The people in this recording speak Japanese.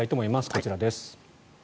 こちらです。